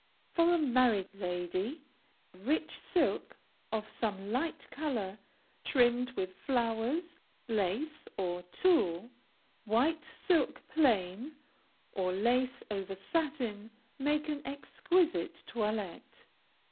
For a married lady, rich silk of some light color, trimmed with flowers, lace, or tulle; white silk plain, or lace over satin, make an exquisite toilette.